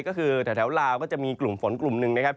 ก็คือแถวลาวก็จะมีกลุ่มฝนกลุ่มหนึ่งนะครับ